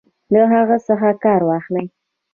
له هغه څخه کار واخلي.